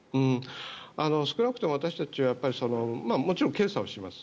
少なくとも私たちはもちろん検査をします。